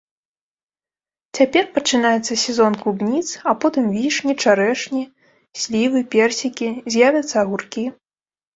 Цяпер пачынаецца сезон клубніц, а потым вішні, чарэшні, слівы, персікі, з'явяцца агуркі.